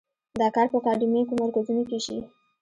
دا کار په اکاډیمیکو مرکزونو کې شي.